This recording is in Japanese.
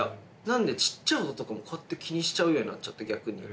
なんでちっちゃい音とかもこうやって気にしちゃうようになっちゃって逆に。